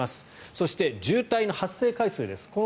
そして、渋滞の発生回数です。